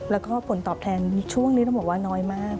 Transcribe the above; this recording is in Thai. แล้วก็ผลตอบแทนช่วงนี้ต้องบอกว่าน้อยมาก